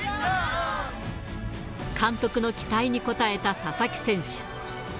監督の期待に応えた佐々木選手。